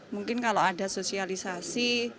mungkin kalau ada sosialisasi